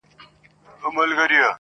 • ایله خره ته سوه معلوم د ژوند رازونه -